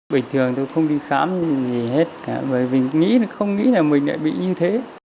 bình thường tôi không đi khám gì hết cả bởi vì không nghĩ là mình lại bị như thế